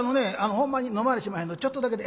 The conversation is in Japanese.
ほんまに飲まれしまへんのでちょっとだけで。